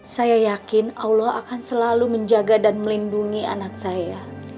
saya yakin allah akan selalu menjaga dan melindungi anak saya